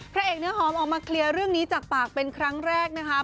พระเอกเนื้อหอมออกมาเคลียร์เรื่องนี้จากปากเป็นครั้งแรกนะคะ